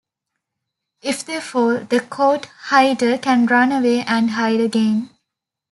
If they fall, the "caught" hider can run away and hide again.